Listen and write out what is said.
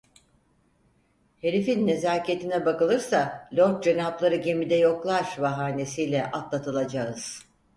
Herifin nezaketine bakılırsa, Lord Cenapları gemide yoklar bahanesiyle atlatılacağız.